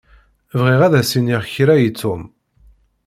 Bɣiɣ ad as-iniɣ kra i Tom.